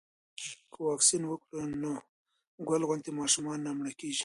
که واکسین وکړو نو ګل غوندې ماشومان نه مړه کیږي.